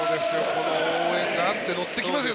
この応援があって乗ってきますよ